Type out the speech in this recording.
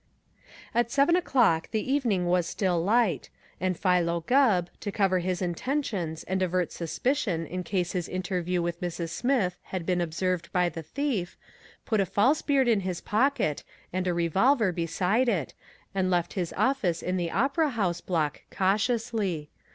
At seven the evening was still light, and Philo Gubb, to cover his intentions and avert suspicion in case his interview with Mrs. Smith had been observed by the thief, put a false beard in his pocket and a revolver beside it and left his office in the Opera House Block cautiously.